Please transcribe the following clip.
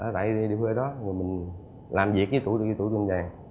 tại địa phương ở đó mình làm việc với tủ trung vàng